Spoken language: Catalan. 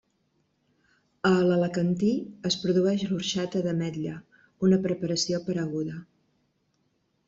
A l'Alacantí es produeix l'orxata d'ametlla, una preparació pareguda.